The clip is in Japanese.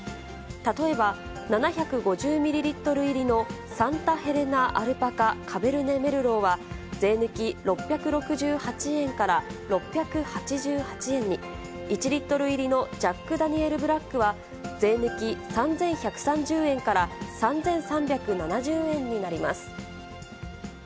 例えば７５０ミリリットル入りのサンタ・ヘレナ・アルパカ・カベルネ・メルローは、税抜き６６８円から６８８円に、１リットル入りのジャックダニエルブラックは、税抜き３１３０円から３３７０円になります。